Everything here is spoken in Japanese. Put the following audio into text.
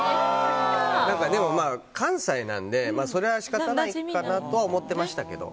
関西なんでそれは仕方ないかなと思ってましたけど。